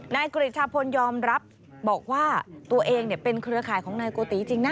กริจชาพลยอมรับบอกว่าตัวเองเป็นเครือข่ายของนายโกติจริงนะ